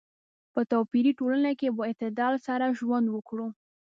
په توپیري ټولنه کې په اعتدال سره ژوند وکړو.